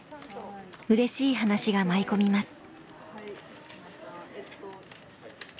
うれしい話が舞い込みます。